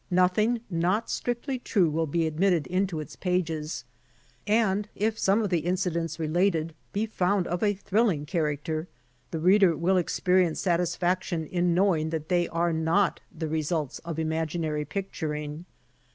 Nothing not strictly true will be admitted into its pages, and if some of the incidents related be found X INTRODUCTORY of a thrilling character the reader will experience satisfaction in knowing that they are not the results of imaginary picturing.